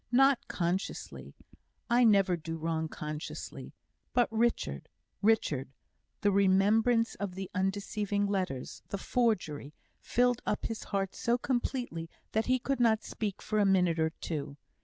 "Not consciously. I never do wrong consciously. But Richard Richard." The remembrance of the undeceiving letters the forgery filled up his heart so completely that he could not speak for a minute or two.